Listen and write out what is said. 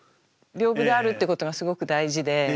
屏風であるってことがすごく大事で。